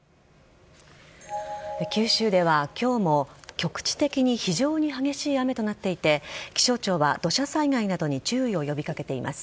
九州では今日も局地的に非常に激しい雨となっていて気象庁は土砂災害などに注意を呼び掛けています。